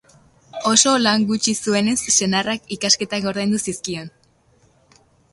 Oso lan gutxi zuenez, senarrak ikasketak ordaindu zizkion.